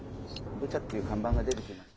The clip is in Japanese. ブチャっていう看板が出てきました。